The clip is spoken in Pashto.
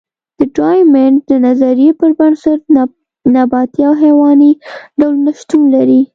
د ډایمونډ د نظریې پر بنسټ نباتي او حیواني ډولونه شتون لري.